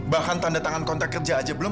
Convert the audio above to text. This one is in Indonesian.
bahkan tanda tangan kontak kerja aja belum